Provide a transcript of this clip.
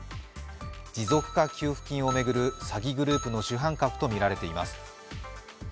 持続化給付金を巡る詐欺グループの主犯格とみられています。